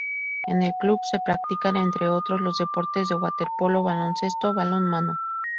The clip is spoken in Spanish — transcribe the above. En el club se practican entre otros los deportes de: waterpolo, baloncesto, balonmano.